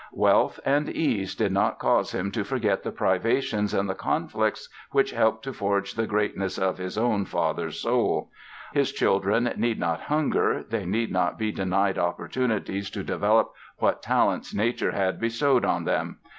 Wealth and ease did not cause him to forget the privations and the conflicts which helped to forge the greatness of his own father's soul. His children need not hunger, they need not be denied opportunities to develop what talents nature had bestowed on them.